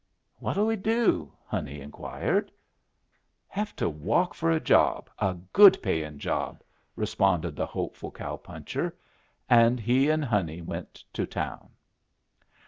"What'll we do?" Honey inquired. "Have to walk for a job a good payin' job," responded the hopeful cow puncher. And he and Honey went to town.